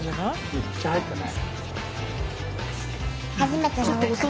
めっちゃ入ってたね。